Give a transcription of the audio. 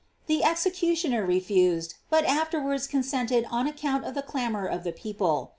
The executioners refused, but after wards consented on account of the clamor of the people.